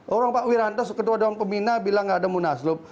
orang pak wiranto ketua dewan pembina bilang gak ada munaslup